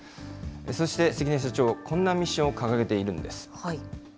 そして関根社長、こんなミッションを掲げているんです。